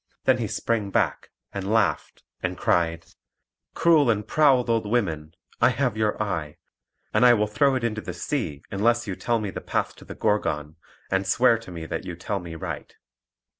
Then he sprang back, and laughed, and cried: "Cruel and proud old women, I have your eye; and I will throw it into the sea, unless you tell me the path to the Gorgon, and swear to me that you tell me right."